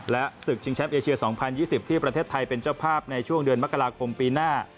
และศึกชิงแชมป์เอเชีย๒๐๒๐ที่ประเทศไทยเป็นเจ้าภาพในช่วงเดือนมกราคมปีหน้า